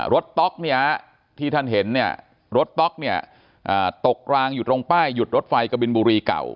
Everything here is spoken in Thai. ต๊อกเนี่ยที่ท่านเห็นเนี่ยรถต๊อกเนี่ยตกรางอยู่ตรงป้ายหยุดรถไฟกบินบุรีเก่า